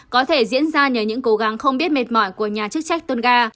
có thể diễn ra nhờ những cố gắng không biết mệt mỏi của nhà chức trách tonga